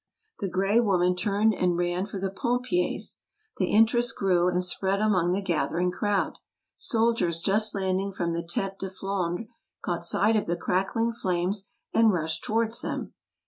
The gray woman turned and ran for the pompiers. The interest grew and spread among the gathering crowd. Soldiers just landing from the Tete de Flandre caught sight of the crackling flames and rushed towards them.